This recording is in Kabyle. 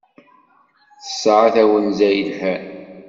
Tesɛa tawenza yelhan.